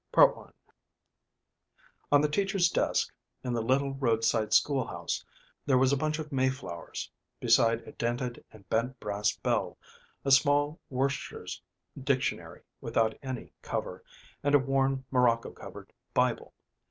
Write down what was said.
On the teacher's desk, in the little roadside school house, there was a bunch of Mayflowers, beside a dented and bent brass bell, a small Worcester's Dictionary without any cover, and a worn morocco covered Bible.